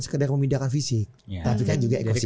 sekedar memindahkan fisik tapi kan juga ekosis